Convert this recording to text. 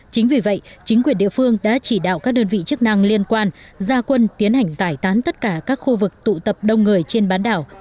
chính vì vậy chính quyền địa phương đã chỉ đạo các đơn vị chức năng liên quan ra quân tiến hành giải tán tất cả các khu vực tụ tập đông người trên bán đảo